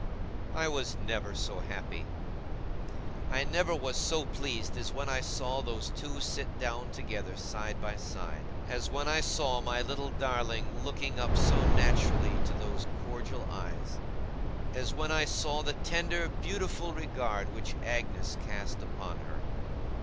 I never was so happy. I never was so pleased as when I saw those two sit down together, side by side. As when I saw my little darling looking up so naturally to those cordial eyes. As when I saw the tender, beautiful regard which Agnes cast upon her.